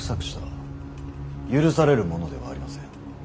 許されるものではありません。